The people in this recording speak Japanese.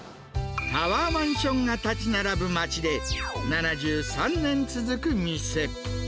タワーマンションが建ち並ぶ町で、７３年続く店。